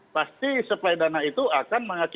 pasti supply dana itu akan menghasilkan